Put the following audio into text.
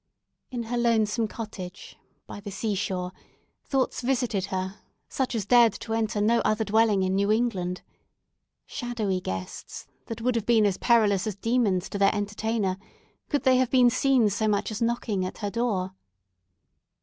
In her lonesome cottage, by the sea shore, thoughts visited her such as dared to enter no other dwelling in New England; shadowy guests, that would have been as perilous as demons to their entertainer, could they have been seen so much as knocking at her door.